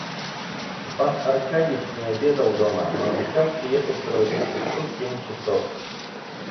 Степан Аркадьич не обедал дома, но обещал приехать проводить сестру в семь часов.